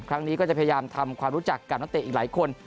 ครั้งนี้ก็จะพยายามทำความรู้จักกับนักเตะอีกหลายคน